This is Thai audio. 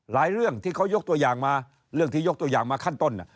เรื่องที่เขายกตัวอย่างมาเรื่องที่ยกตัวอย่างมาขั้นต้น